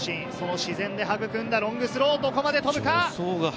自然で育んだロングスロー、どこまで飛ぶか？